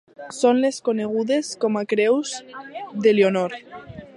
Són les conegudes com a Creus d'Elionor.